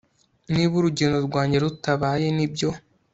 niba urugendo rwanjye rutabaye nibyo